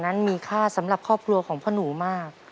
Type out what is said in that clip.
นั้นมีค่าสำหรับครอบครัวของพ่อหนูมาก